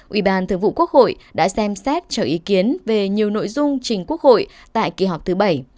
ủy ban thường vụ quốc hội đã xem xét cho ý kiến về nhiều nội dung trình quốc hội tại kỳ họp thứ bảy